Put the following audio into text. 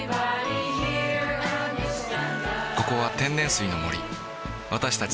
ここは天然水の森わたしたち